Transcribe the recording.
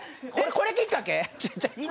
これきっかけ？